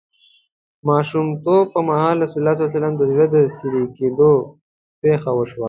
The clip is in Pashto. ماشومتوب پر مهال رسول الله ﷺ د زړه د څیری کیدو پېښه وشوه.